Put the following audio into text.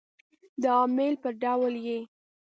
د امیل په ډول يې